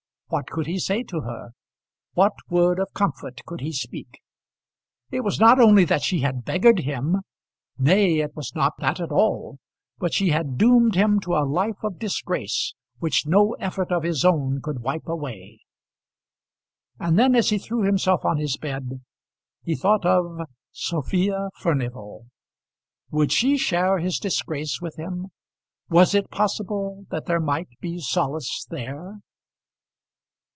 What could he say to her? What word of comfort could he speak? It was not only that she had beggared him! Nay; it was not that at all! But she had doomed him to a life of disgrace which no effort of his own could wipe away. And then as he threw himself on his bed he thought of Sophia Furnival. Would she share his disgrace with him? Was it possible that there might be solace there?